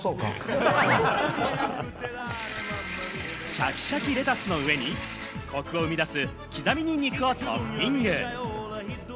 シャキシャキレタスの上にコクを生み出す刻みニンニクをトッピング。